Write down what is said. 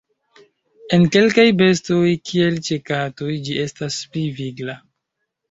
En kelkaj bestoj, kiel ĉe katoj ĝi estas pli vigla.